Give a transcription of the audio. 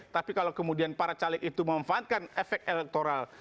tapi kalau kemudian para caleg itu memanfaatkan efek elektoral